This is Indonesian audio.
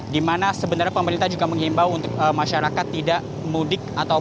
dimana sebenarnya pemerintah juga menghimbau untuk masyarakat tidak mudik